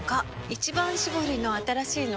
「一番搾り」の新しいの？